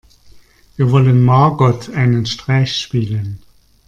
Wir wollen Margot einen Streich spielen.